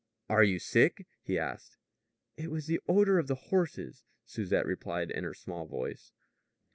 "Are you sick?" he asked. "It was the odor of the horses," Susette replied in her small voice.